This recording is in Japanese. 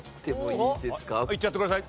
いっちゃってください。